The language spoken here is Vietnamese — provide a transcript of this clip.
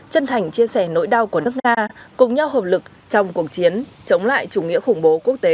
chân thành chia sẻ nỗi đau của nước nga cùng nhau hợp lực trong cuộc chiến chống lại chủ nghĩa khủng bố quốc tế